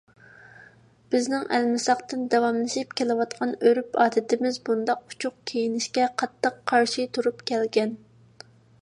بىزنىڭ ئەلمىساقتىن داۋاملىشىپ كېلىۋاتقان ئۆرپ-ئادىتىمىز بۇنداق ئوچۇق كىيىنىشكە قاتتىق قارشى تۇرۇپ كەلگەن.